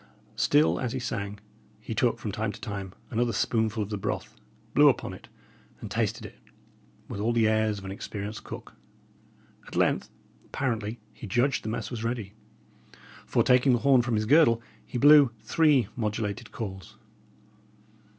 Still as he sang, he took from time to time, another spoonful of the broth, blew upon it, and tasted it, with all the airs of an experienced cook. At length, apparently, he judged the mess was ready; for taking the horn from his girdle, he blew three modulated calls.